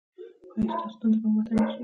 ایا ستاسو تنده به ماته نه شي؟